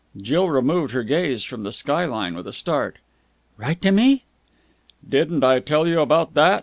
Jill removed her gaze from the sky line with a start. "Write to me?" "Didn't I tell you about that?"